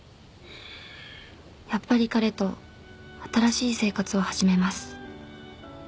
やっぱり彼と新しい生活を始めます。